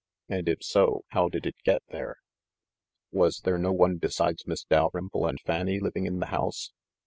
And if so, how did it get there ?" "Was there no one besides Miss Dalrymple and Fanny living in the house